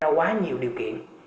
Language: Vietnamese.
có quá nhiều điều kiện